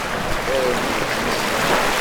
Err-d i usteqsi.